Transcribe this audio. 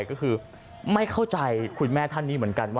ก็คือไม่เข้าใจคุณแม่ท่านนี้เหมือนกัน